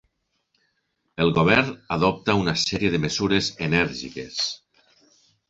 El govern adopta una sèrie de mesures enèrgiques.